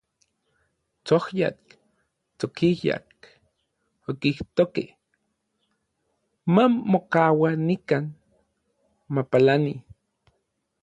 “Tsojyak, tsokijyak”, okijtokej, “mamokaua nikan, mapalani”.